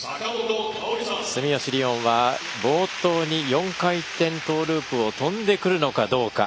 住吉りをんは冒頭に４回転トーループを跳んでくるのかどうか。